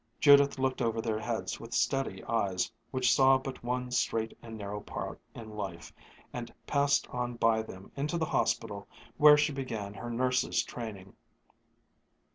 Judith looked over their heads with steady eyes which saw but one straight and narrow path in life, and passed on by them into the hospital where she began her nurse's training.